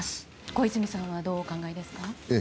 小泉さんはどうお考えですか。